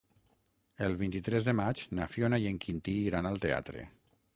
El vint-i-tres de maig na Fiona i en Quintí iran al teatre.